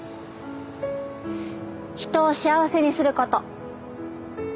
人を幸せにすること。